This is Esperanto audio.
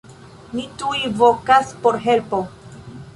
Ni tuj vokas por helpo.“